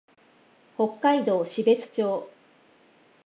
北海道標津町